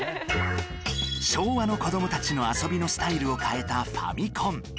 昭和の子どもたちの遊びのスタイルを変えたファミコン